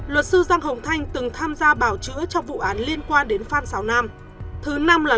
luật sư giang hồng thanh từng tham gia bào chữa cho vụ án liên quan đến phan xáo nam thứ năm là